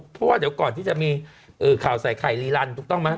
เพราะว่าเดี๋ยวก่อนที่จะมีข่าวใส่ไข่รีลันถูกต้องไหม